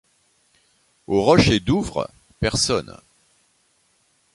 Aux rochers Douvres, personne.